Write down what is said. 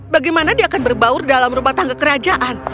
bagaimana dia akan berbaur dalam rumah tangga kerajaan